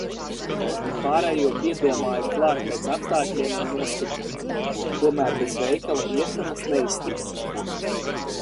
Un pārējo piedomāju klāt pēc apstākļiem un noskaņojuma. Tomēr bez veikala iešanas neiztikt.